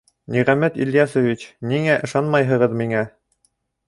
Ниғәмәт Ильясович, ниңә ышанмайһығыҙ миңә?